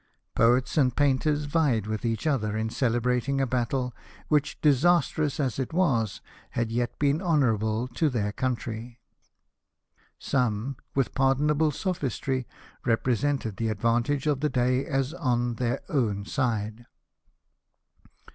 Poets and ^Dainters vied with each other in celebrating a battle which, disastrous as it was, had yet been honourable to their country ; some, with pardonable sophistry, represented the advantage of the day as on their own side.